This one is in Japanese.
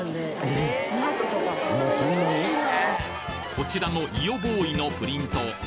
こちらの伊予ボーイのプリント